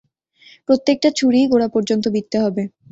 প্রত্যেকটা ছুরিই গোঁড়া পর্যন্ত বিঁধতে হবে!